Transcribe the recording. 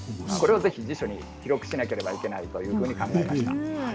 これをぜひ辞書に記録しなければいけないと考えました。